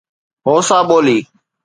Hausa ٻولي